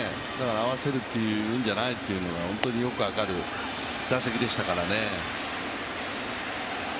合わせるというんじゃないというのが本当によく分かる打席でしたからね。